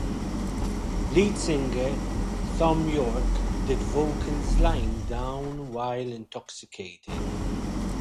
Lead singer Thom Yorke did vocals lying down while intoxicated.